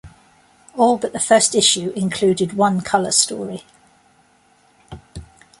All but the first issue included one color story.